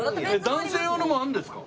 男性用のもあるんですか？